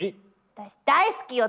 私大好きよ！